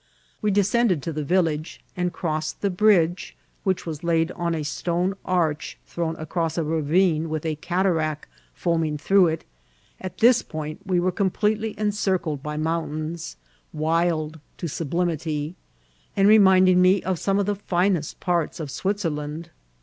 We descended to the Tillage, and crossed the bridge, which was laid on a stone arch, thrown across A ravine with a cataract foaming throngh it ; at this point we were completely enpirded by mountaiuB, wild to sublimity, and reminding me of some of the finest parts of Switzerland.